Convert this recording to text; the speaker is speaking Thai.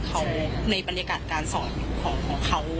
เขาในบรรยากาศการสอนของเขา